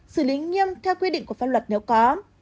xử lý nghiêm theo quy định của pháp luật nếu có